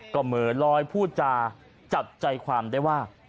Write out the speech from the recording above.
ก็เหมือนลอยพูดจาจับใจความได้ว่า